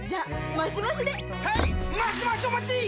マシマシお待ちっ！！